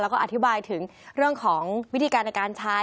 แล้วก็อธิบายถึงเรื่องของวิธีการในการใช้